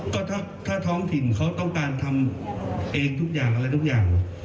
ก็ถ้าท้องถิ่นเขาต้องการทำเองทุกอย่างอะไรทุกอย่าง